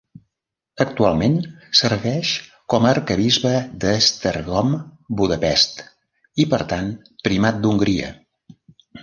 Actualment serveix com a Arquebisbe d'Esztergom-Budapest, i per tant, Primat d'Hongria.